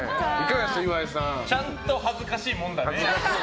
ちゃんと恥ずかしいもんだね。